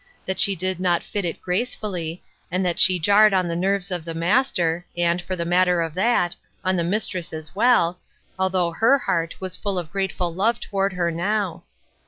That she did not fit it gracefully, and that she jarred on the nerves of the master, and, for the matter of that, on the mistress as well, although her heart was full of grateful love toward her now.